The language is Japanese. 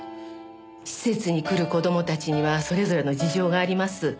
施設に来る子供たちにはそれぞれの事情があります。